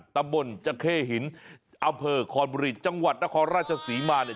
ตำบลจเข้หินอำเภอคอนบุรีจังหวัดนครราชศรีมาเนี่ย